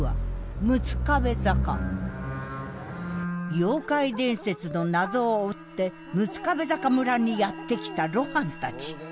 妖怪伝説の謎を追って六壁坂村にやって来た露伴たち。